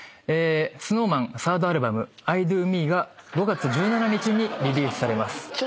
ＳｎｏｗＭａｎサードアルバム『ｉＤＯＭＥ』が５月１７日にリリースされます。